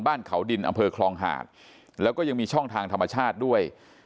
บ้านเขาดินอำเภอคลองหาดแล้วก็ยังมีช่องทางธรรมชาติด้วย